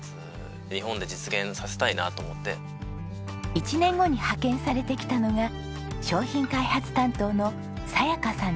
１年後に派遣されてきたのが商品開発担当の早矢加さんでした。